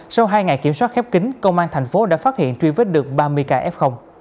sau hai ngày kiểm soát khép kính công an thành phố đã phát hiện truy vết được ba mươi kf